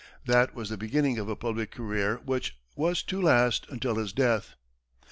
That was the beginning of a public career which was to last until his death.